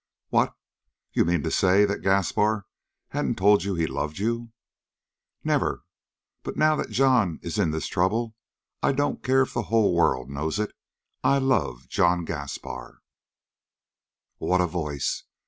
"What? You mean to say that Gaspar hadn't told you he loved you?" "Never! But now that John's in this trouble, I don't care if the whole world knows it! I love John Gaspar!" What a voice!